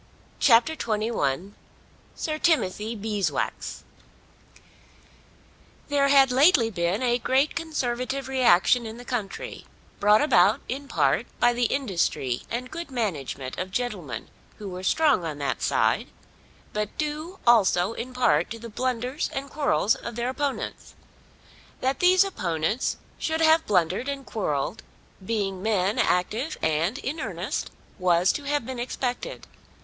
CHAPTER XXI Sir Timothy Beeswax There had lately been a great Conservative reaction in the country, brought about in part by the industry and good management of gentlemen who were strong on that side; but due also in part to the blunders and quarrels of their opponents. That these opponents should have blundered and quarrelled, being men active and in earnest, was to have been expected.